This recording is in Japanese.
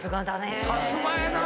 さすがやなぁ！